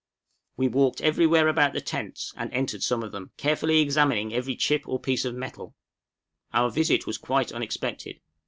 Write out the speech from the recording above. We walked everywhere about the tents and entered some of them, carefully examining every chip or piece of metal; our visit was quite unexpected.